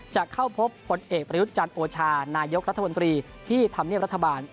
จะเข้าพบพลเอกประยุทธ์จันทร์โอชานายกรัฐมนตรีที่ทำเนียบรัฐบาล